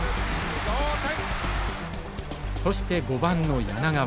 そして５番の柳川。